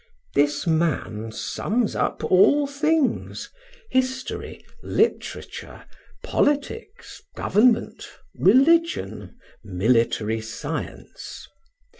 This man sums up all things history, literature, politics, government, religion, military science.